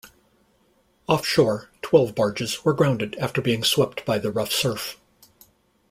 Offshore, twelve barges were grounded after being swept by the rough surf.